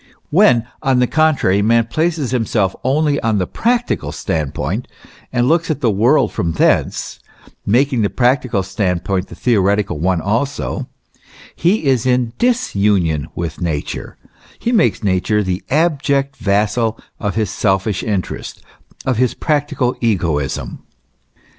When, on the contrary, man places himself only on the practical stand point and looks at the world from thence, making the practical stand point the theoretical one also, he is in disunion with Nature; he makes Nature the abject vassal of his selfish interest, of his practical egoism.